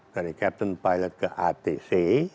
dari captain pilot ke atc